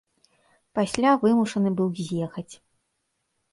Пасля вымушаны быў з'ехаць.